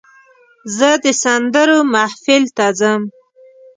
زه د سندرو محفل ته ځم.